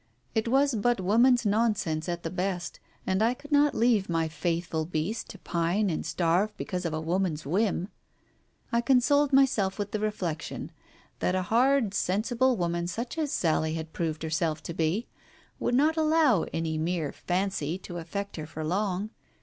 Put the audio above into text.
It was but woman's nonsense at the best, and I could not leave my faithful beast to pine and starve because of a woman's whim ! I consoled myself with the reflection that a hard, sensible woman such as Sally had proved herself to be, would not allow any mere fancy to affect her for long.